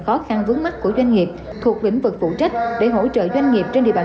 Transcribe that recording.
khó khăn vướng mắt của doanh nghiệp thuộc lĩnh vực phụ trách để hỗ trợ doanh nghiệp trên địa bàn